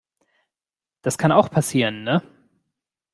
Das kann auch passieren, ne?